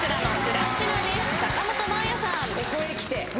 ここへきて。